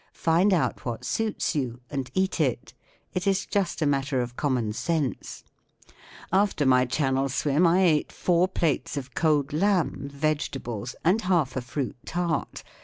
Find out what suits you and eat it* It is just a matter of com¬ mon sense. After my Channel swim I ate lour plates of cold lamb* vegetables, and half a fruit tart.